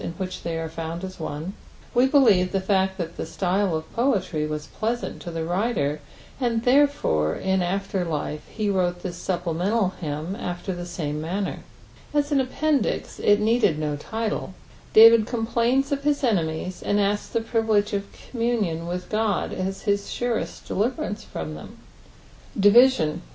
in tshidt ihiy art found as one T We Iteiieoe the fad is thai tht stylt of the poetry was pleasant to the iBriier, and iherrfore in after ij/ie As wrote this supplemmtaS hymn <^er Vtt same nuinner. As an appendix if needed no liHe, Damd complains i^his enemies, and asJ:s the privUtge qf communion aith God as his surest detiveranrefrom them. DivisioH.